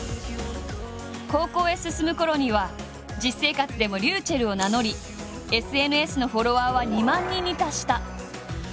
高校へ進むころには実生活でも「りゅうちぇる」を名乗りＳＮＳのフォロワーは２万人に達した。